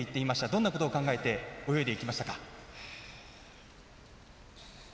どんなことを考えて泳いでいきましたか？